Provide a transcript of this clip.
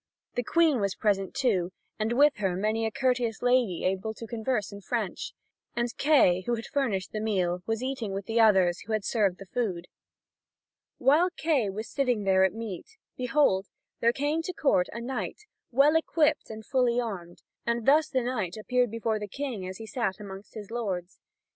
The Queen was present, too, and with her many a courteous lady able to converse in French. And Kay, who had furnished the meal, was eating with the others who had served the food. While Kay was sitting there at meat, behold there came to court a knight, well equipped and fully armed, and thus the knight appeared before the King as he sat among his lords.